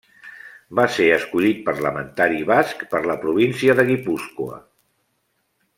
Va Ser escollit parlamentari basc per la província de Guipúscoa.